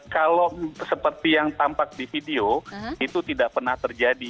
kalau seperti yang tampak di video itu tidak pernah terjadi